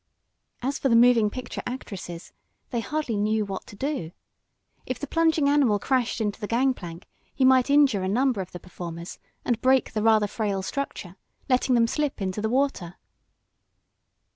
As for the moving picture actresses they hardly knew what to do. If the plunging animal crashed into the gang plank he might injure a number of the performers, and break the rather frail structure, letting them slip into the water.